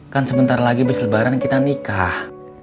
kan sebentar lagi habis lebaran kita nikah